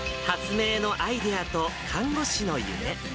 発明のアイデアと、看護師の夢。